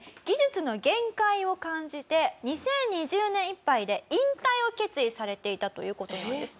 技術の限界を感じて２０２０年いっぱいで引退を決意されていたという事なんです。